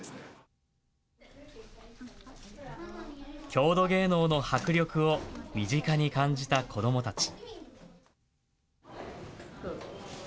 郷土芸能の迫力を身近に感じた子どもたち。